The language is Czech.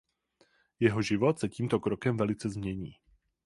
Jeho život se tímto krokem velice změní.